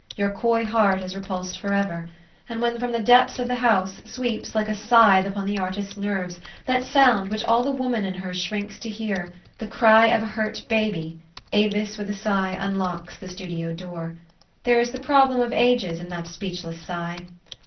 your coy heart is repulsed forever ; and when from the depths of the house, sweeps, like a scythe upon the artist's nerves, that sound which all the woman in her shrinks to hear, the cry of a hurt baby, Avis with a sigh unlocks the studio door. There is the problem of ages in that speechless sigh.